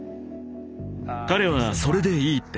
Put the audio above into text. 彼はそれでいいって。